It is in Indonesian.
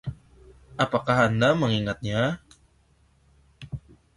Apakah anda mengingatnya?